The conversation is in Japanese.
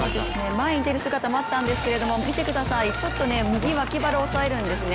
前に出る姿もあったんですけど見てください、ちょっと右脇腹を押さえるんですね。